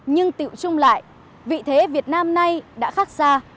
nhưng tự trung lại vị thế việt nam nay đã khác xa